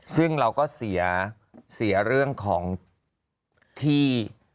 ซึ่งเราก็เสียเรื่องของที่